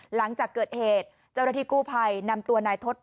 หลังจากเกิดเหตุเจ้าหน้าที่กู้ภัยนำตัวนายทศ